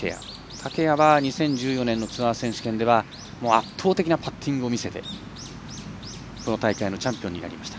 竹谷は２０１４年のツアー選手権では圧倒的なパッティングを見せてこの大会のチャンピオンになりました。